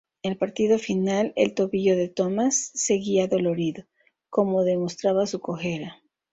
En el partido final, el tobillo de Thomas seguía dolorido, como demostraba su cojera.